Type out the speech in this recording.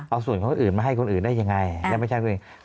เอาส่วนคนอื่นมาให้คนอื่นได้ยังไงยังไม่ใช่คนอื่น